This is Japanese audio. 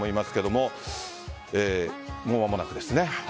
もう間もなくですね。